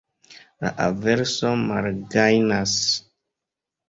La averso malgajnas.